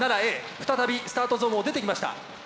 再びスタートゾーンを出てきました。